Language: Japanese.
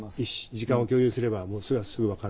時間を共有すればそれはすぐ分かる。